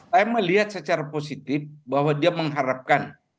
saya melihat secara positif bahwa dia mengharapkan